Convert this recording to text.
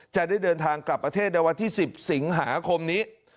จะได้เดินทางกลับประเทศในวันที่๑๐สิงหาคมนี้